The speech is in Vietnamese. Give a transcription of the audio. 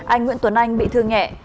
anh nguyễn tuấn anh bị thương nhẹ